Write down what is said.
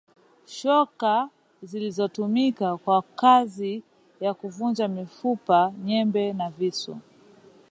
Shoka zilizotumika kwa kazi ya kuvunja mifupa nyembe na visu